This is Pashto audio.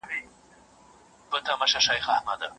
جهاني په دې پانوس کي که لمبه نه وي زه نه یم